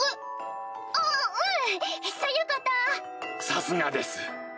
さすがです。